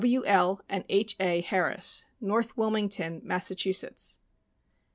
W. L. and H. A. Harris, North Wilmington, Mass.